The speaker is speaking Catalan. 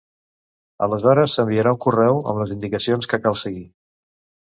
Aleshores s'enviarà un correu amb les indicacions que cal seguir.